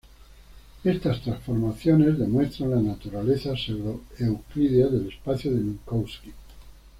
Estas transformaciones demuestran la naturaleza pseudo-euclídea del espacio de Minkowski.